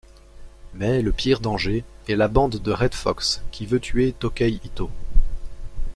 Mais le pire danger est la bande de Red Fox qui veut tuer Tokei-ihto.